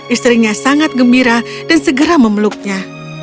istrinya sangat gembira dan segera memeluknya